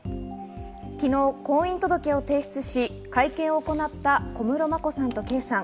昨日、婚姻届を提出し、会見を行った小室眞子さんと圭さん。